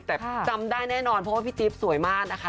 แต่จำได้แน่นอนเพราะว่าพี่จิ๊บสวยมากนะคะ